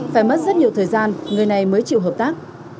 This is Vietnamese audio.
phải mất rất nhiều thời gian người này mới chịu hợp tác